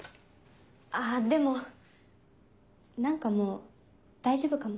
あぁでも何かもう大丈夫かも。